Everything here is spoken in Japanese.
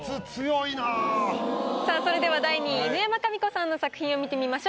それでは第２位犬山紙子さんの作品を見てみましょう。